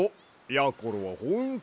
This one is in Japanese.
やころはほんと